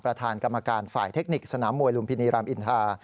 ประธานกรรมการฝ่ายเทคนิคสนามมวยลุมพินีรามอินทา